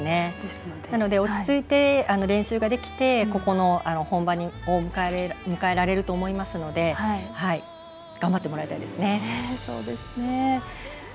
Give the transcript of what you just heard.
なので落ち着いて練習ができて本番を迎えられると思うので頑張ってもらいたいです。